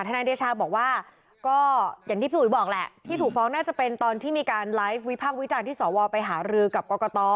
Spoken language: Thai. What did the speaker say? นายเดชาบอกว่าก็อย่างที่พี่อุ๋ยบอกแหละที่ถูกฟ้องน่าจะเป็นตอนที่มีการไลฟ์วิพากษ์วิจารณ์ที่สวไปหารือกับกรกต